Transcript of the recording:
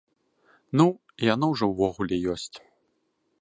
Ну, яно ўжо ўвогуле ёсць.